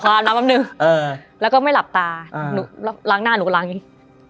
อาบน้ำสับนึงแล้วก็ไม่หลับตาล้างหน้าหนูล้างอีก